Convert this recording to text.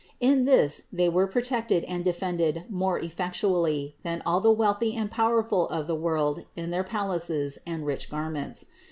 In this they were protected and de fended more effectually than all the wealthy and power ful of the world in their palaces and rich garments.